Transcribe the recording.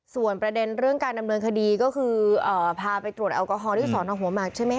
ส่วนประเด็นเรื่องการดำเนินคดีก็คือพาไปตรวจแอลกอฮอลที่สอนอหัวหมากใช่ไหมค